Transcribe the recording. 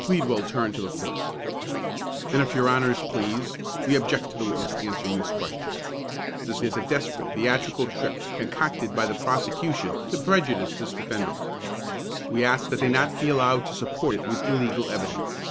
Pleadwell turned to the court. "Then if your Honors please, we object to the witness answering this question. This is a desperate theatrical trick, concocted by the prosecution to prejudice this defendant. We ask that they be not allowed to support it with illegal evidence."